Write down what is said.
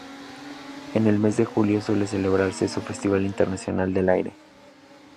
En el mes de julio suele celebrarse su Festival Internacional del Aire.